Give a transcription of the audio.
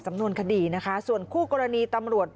สำนวนคดีนะคะส่วนคู่กรณีตำรวจ